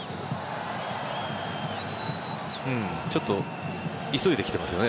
ちょっと急いできてますね。